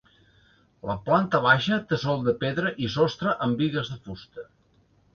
La planta baixa té sòl de pedra i sostre amb bigues de fusta.